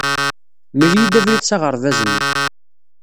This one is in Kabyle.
Mel-iyi-d abrid s aɣerbaz-nni.